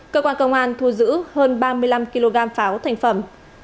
cơ quan công an thu giữ hơn ba mươi năm kg pháo thành phẩm